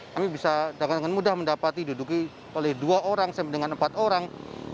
kami bisa dengan mudah mendapati duduki oleh dua orang sama dengan empat orang